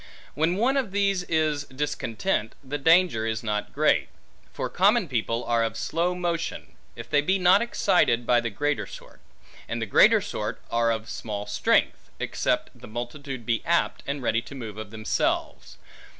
When one of these is discontent, the danger is not great; for common people are of slow motion, if they be not excited by the greater sort; and the greater sort are of small strength, except the multitude be apt, and ready to move of themselves.